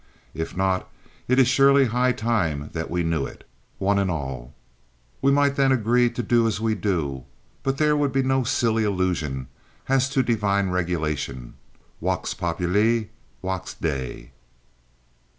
If not, it is surely high time that we knew it—one and all. We might then agree to do as we do; but there would be no silly illusion as to divine regulation. Vox populi, vox Dei.